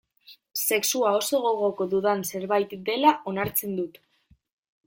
Sexua oso gogoko dudan zerbait dela onartzen dut.